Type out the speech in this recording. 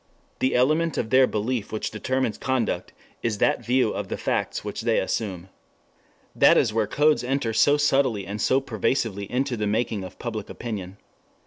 The element of their belief which determines conduct is that view of the facts which they assume. That is where codes enter so subtly and so pervasively into the making of public opinion.